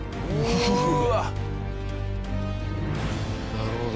なるほど。